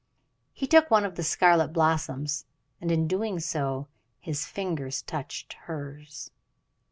He took one of the scarlet blossoms, and in doing so his fingers touched hers.